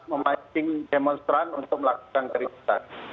memancing demonstran untuk melakukan kritisan